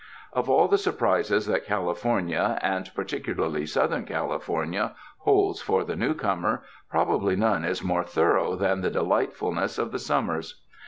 Of all the surprises that California, and particu larly Southern California, holds for the newcomer, probably none is more thorough than the delight fulness of the summers.